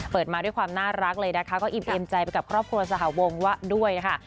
มาด้วยความน่ารักเลยนะคะก็อิ่มเอมใจไปกับครอบครัวสหวงว่าด้วยค่ะ